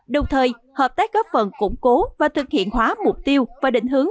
đồng thời hợp tác góp phần củng cố và thực hiện hóa mục tiêu và định hướng